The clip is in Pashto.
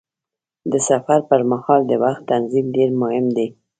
د سفر پر مهال د وخت تنظیم ډېر مهم دی.